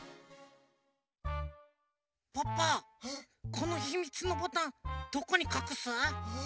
このひみつのボタンどこにかくす？